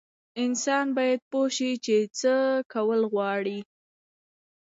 انسان باید پوه شي چې څه کول غواړي.